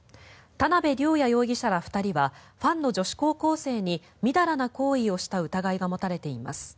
田辺稜弥容疑者ら２人はファンの女子高校生にみだらな行為をした疑いが持たれています。